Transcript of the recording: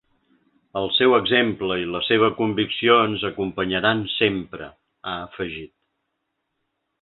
El seu exemple i la seva convicció ens acompanyaran sempre, ha afegit.